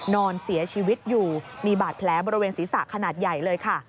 นอนเสียชีวิตอยู่มีบาดแผลบริเวณศีรษะขนาดใหญ่เลยค่ะ